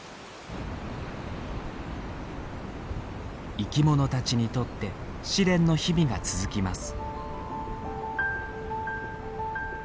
生きものたちにとって試練の日々が続きます。